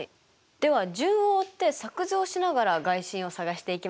では順を追って作図をしながら外心を探していきましょう！